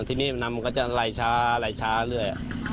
ที่นี่นำมันก็จะไหลช้าเรื่อย